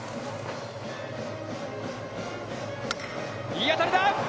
いい当たりだ！